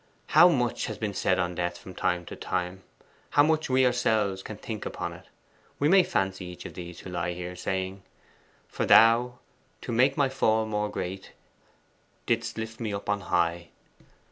'How much has been said on death from time to time! how much we ourselves can think upon it! We may fancy each of these who lie here saying: 'For Thou, to make my fall more great, Didst lift me up on high.